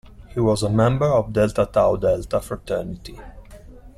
He was a member of Delta Tau Delta fraternity.